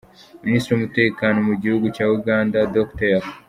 Minisitiri w’Umutekano mu gihugu cya Uganda Dr.